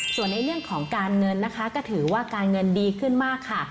ส่วนในเรื่องของการเงินนะคะก็ถือว่าการเงินดีขึ้นมากค่ะ